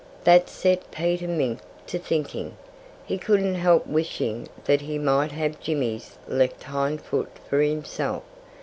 That set Peter Mink to thinking. He couldn't help wishing that he might have Jimmy's left hind foot for himself.